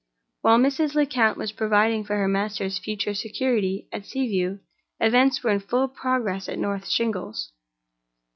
While Mrs. Lecount was providing for her master's future security at Sea View, events were in full progress at North Shingles.